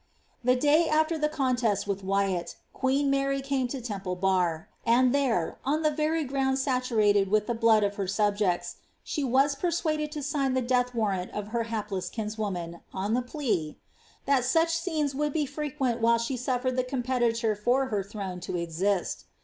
The day after the contest with Wyatt, queen Mary came to Temple Bar, and there, on the very ground saturated with the blood of her subjects, she was persuaded to sign the death warrant of her hapk« kinswoman, on the plea ^ that such scenes would be frequent while she auflfered the competitor for her throne to exist.''